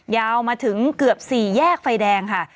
ยาวมาถึงเกือบ๔แยกไฟแดงค่ะ